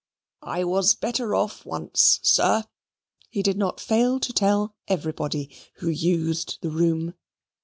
"I was better off once, sir," he did not fail to tell everybody who "used the room."